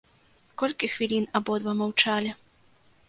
Колькі хвілін абодва маўчалі.